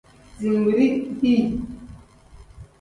Zinbiri dii.